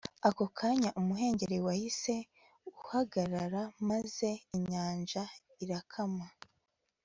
ako kanya umuhengeri wahise uhagarara maze inyanja irakama